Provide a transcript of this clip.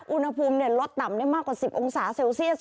อุณหภูมิลดต่ำได้มากกว่า๑๐องศาเซลเซียส